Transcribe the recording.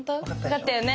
だったよね？